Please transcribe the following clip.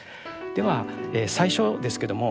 では最初ですけども。